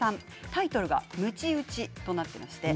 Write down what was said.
タイトルがむち打ちとなっています。